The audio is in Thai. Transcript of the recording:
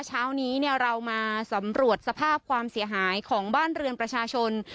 เช้านี้เรามาสำรวจสภาพความเสียหายของบ้านเรือนประชาชน